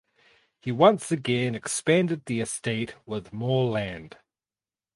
He once again expanded the estate with more land.